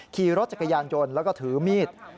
ขี่รถจักรยานยนต์แล้วก็ถือมีด